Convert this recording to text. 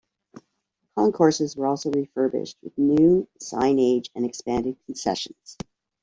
The concourses were also refurbished, with new signage and expanded concessions.